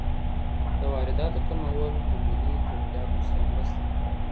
د وارداتو کمول د ملي تولیداتو سره مرسته کوي.